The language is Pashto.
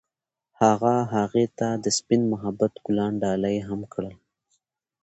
هغه هغې ته د سپین محبت ګلان ډالۍ هم کړل.